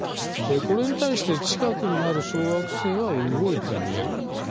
これに対して近くにある小惑星は動いて見えます。